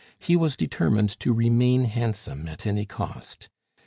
He was determined to remain handsome at any cost.